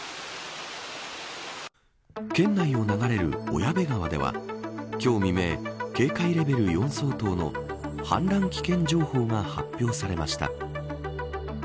県内を流れる小矢部川では今日未明、警戒レベル４相当の氾濫危険情報が発表されました。